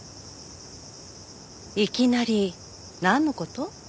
いきなりなんの事？